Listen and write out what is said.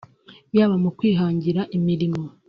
yaba mu kwihangira imirimo